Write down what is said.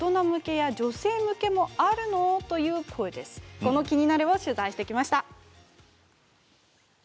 この「キニナル」を取材してきました。